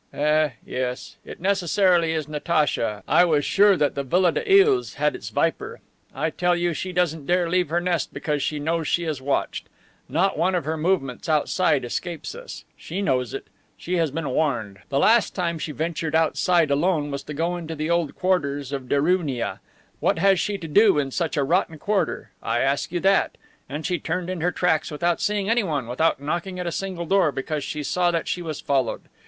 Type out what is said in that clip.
"Eh, yes. It necessarily is Natacha. I was sure that the Villa des Iles had its viper. I tell you she doesn't dare leave her nest because she knows she is watched. Not one of her movements outside escapes us! She knows it. She has been warned. The last time she ventured outside alone was to go into the old quarters of Derewnia. What has she to do in such a rotten quarter? I ask you that. And she turned in her tracks without seeing anyone, without knocking at a single door, because she saw that she was followed.